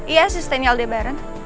iya asisten aldebaran